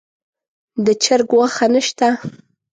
د چرګ غوښه نه شته.